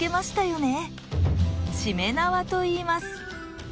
しめなわといいます。